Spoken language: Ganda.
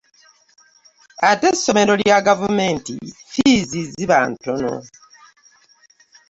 Ate essomero lya gavumenti fiizi ziba ntono.